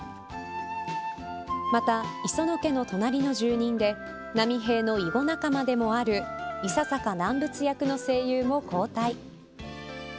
また磯野家の隣の住人で波平の囲碁仲間でもある伊佐坂難物役の声優も交代。